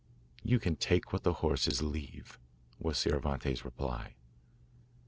'You can take what the horses leave,' was Scioravante's reply.